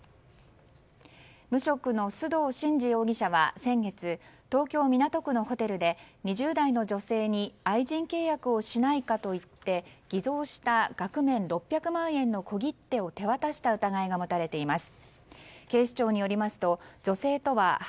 無職の須藤慎司容疑者は先月東京・港区のホテルで２０代の女性に愛人契約をしないかと言って偽造した額面６００万円の小切手を手渡した疑いが持たれています。